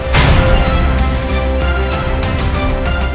ชอบที่สุด